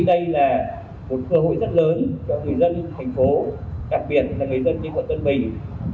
đây là một cơ hội rất lớn cho người dân thành phố đặc biệt là người dân như quận tân bình